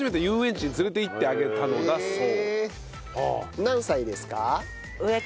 何歳ですか？